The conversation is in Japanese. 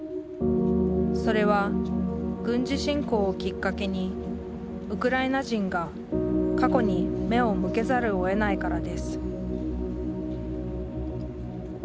それは軍事侵攻をきっかけにウクライナ人が過去に目を向けざるをえないからです